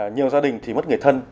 nhiều gia đình thì mất người thân